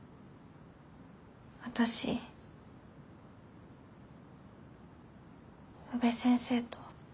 私宇部先生と。